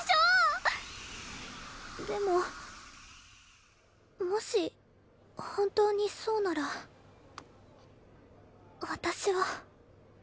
でももし本当にそうなら私は